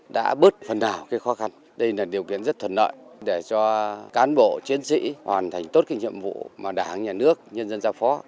đã bớt phần nào khó khăn đây là điều kiện rất thuần nợ để cho cán bộ chiến sĩ hoàn thành tốt nhiệm vụ mà đảng nhà nước nhân dân giao phó